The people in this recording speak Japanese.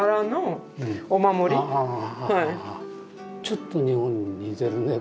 ちょっと日本に似てるね。